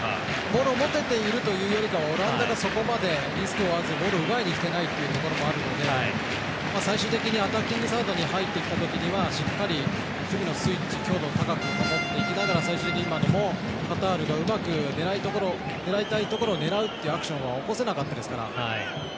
ボールを持てているというよりかオランダがそこまでリスクを負わずボールを奪いにきてないというところもあるので最終的にアタッキングサードに入ってきたときにはしっかり守備のスイッチ強度を高く保っていきながら、最終的に今のもカタールが狙いところを狙うというアクションは起こせなかったですから。